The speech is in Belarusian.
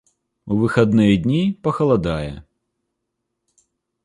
У выхадныя дні пахаладае.